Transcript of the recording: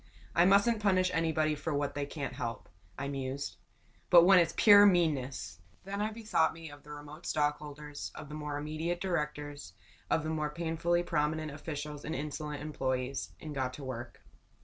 "I mustn't punish anybody, for what they can't help," I mused. "But when it's pure meanness!" Then I bethought me of the remote stockholders, of the more immediate directors, of the painfully prominent officials and insolent employees and got to work.